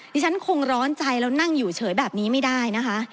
ดิฉันคงร้อนใจแล้วนั่งอยู่เฉยแบบนี้ไม่ได้นะคะ